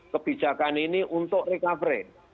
kebijakan ini untuk recovery